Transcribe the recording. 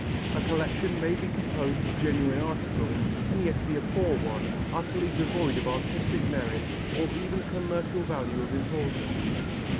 A collection may be composed of genuine articles and yet be a poor one, utterly devoid of artistic merit or even commercial value of importance.